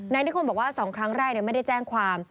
นิคมบอกว่า๒ครั้งแรกไม่ได้แจ้งความ